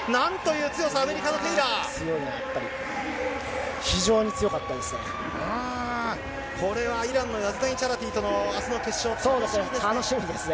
うーん、これはイランのヤズダニチャラティとのあすの決勝、楽しみですね。